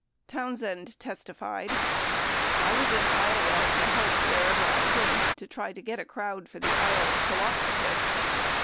67 Townsend testified : "I was in Iowa to help wherever I could to try to get a crowd for the Iowa cooperative."